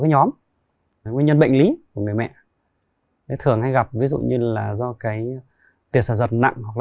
nhóm nguyên nhân bệnh lý của người mẹ thường hay gặp ví dụ như là do cái tiệt sản dật nặng hoặc